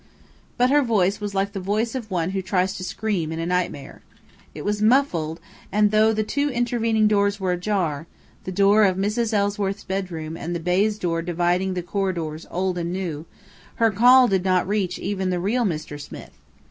But her voice was like the voice of one who tries to scream in a nightmare. It was muffled; and though the two intervening doors were ajar the door of Mrs. Ellsworth's bedroom and the baize door dividing the corridors old and new her call did not reach even the real Mr. Smith.